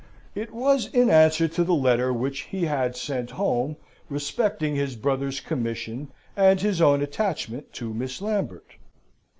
It was in answer to the letter which he had sent home, respecting his brother's commission and his own attachment to Miss Lambert.